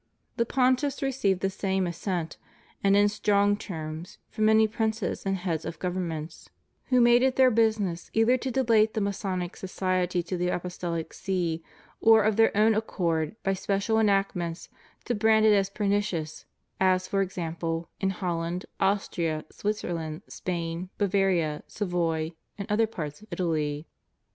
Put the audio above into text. The Pontiffs received the same assent, and in strong terms, from many princes and heads of govern ments, who made it their business either to delate the Masonic society to the Apostolic See, or of their owti accord by special enactments to brand it as pernicious, as, for example, in Holland, Austria, Switzerland. Spain, Bavaria, Savoy, and other parts of Italy. 86 FREEMASONRY.